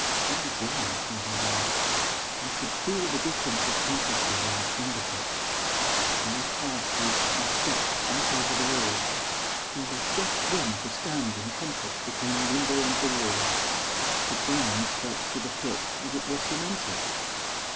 How warm it was in there! I could feel the difference of temperature in my fingertips. Very quietly I stepped right over the wall. There was just room to stand in comfort between the window and the wall. The ground felt to the foot as if it were cemented.